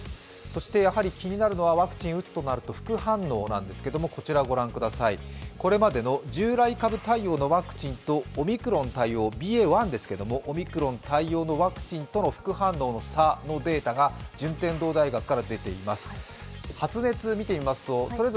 そして気になるのはワクチンを打つとなると副反応なんですけどこれまでの従来株対応のワクチンとＢＡ．１ですけれども、オミクロン株対応のワクチンとの副反応の差のデータが順天堂大学から出ています。